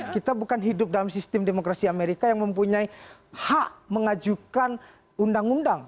kita bukan hidup dalam sistem demokrasi amerika yang mempunyai hak mengajukan undang undang